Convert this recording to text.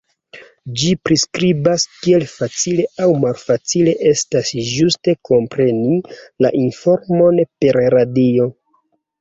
Ĝi priskribas kiel facile aŭ malfacile estas ĝuste kompreni la informon per radio.